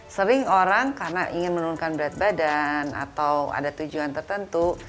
sering orang karena ingin menurunkan berat badan atau ada tujuan tertentu